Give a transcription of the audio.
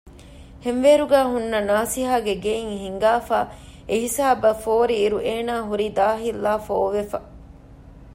ހެންވޭރުގައި ހުންނަ ނާސިހާގެ ގެއިން ހިނގާފައި އެހިސާބަށް ފޯރިއިރު އޭނާ ހުރީ ދާހިއްލާފޯވެފަ